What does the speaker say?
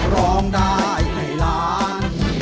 ร้องได้ให้ล้าน